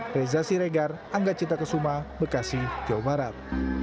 reza siregar anggacita kesuma bekasi jawa barat